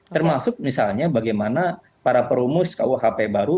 termasuk misalnya bagaimana para perumus kuhp baru